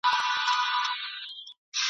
نه به لاس د چا گرېوان ته ور رسېږي !.